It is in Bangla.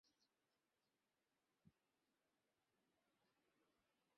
দারোয়ানকে ঠাণ্ডা গলায় বলল গেট খুলে দিতে।